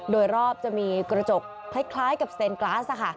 โดยรอบจะมีกระจกคล้ายกับเซนกลาส